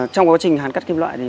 trong quá trình hàn cắt kim loại